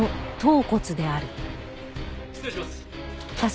失礼します。